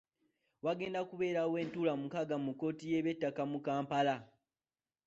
Wagenda kubaawo entuula mukaaga mu kkooti y’eby'ettaka mu Kampala.